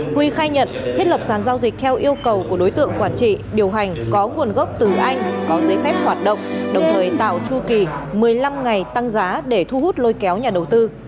huy khai nhận thiết lập sản giao dịch theo yêu cầu của đối tượng quản trị điều hành có nguồn gốc từ anh có giấy phép hoạt động đồng thời tạo chu kỳ một mươi năm ngày tăng giá để thu hút lôi kéo nhà đầu tư